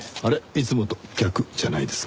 いつもと逆じゃないですか？